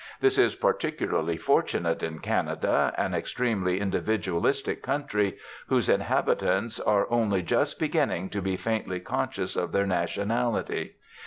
This is particularly fortunate in Canada, an extremely individualistic country, whose inhabitants are only just beginning to be faintly conscious of their nationality.